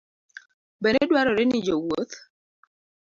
Bende dwarore ni jowuoth